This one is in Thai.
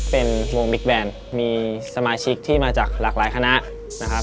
เป็นวงบิ๊กแบนมีสมาชิกที่มาจากหลากหลายคณะนะครับ